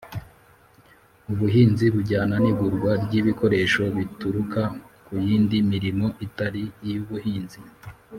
ubuhinzi bujyana n'igurwa ry'ibikoresho bituruka ku yindi mirimo itari iy'ubuhinzi.